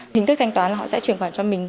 hình thức thanh toán là họ sẽ chuyển khoản cho mình